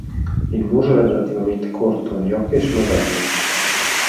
Il muso è relativamente corto, gli occhi sono grandi.